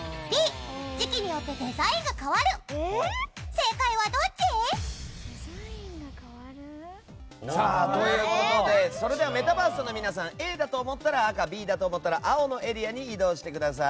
正解はどっち？ということでそれではメタバースの皆さんＡだと思ったら赤Ｂだと思ったら青のエリアに移動してください。